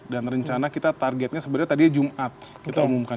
dan rencana kita targetnya sebenarnya tadinya jumat kita umumkan